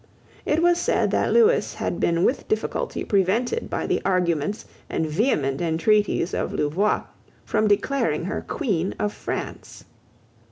It was said that Lewis had been with difficulty prevented by the arguments and vehement entreaties of Louvois from declaring her Queen of France.